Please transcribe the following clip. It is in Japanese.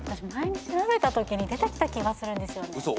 前に調べたときに出てきた気がするんですよね。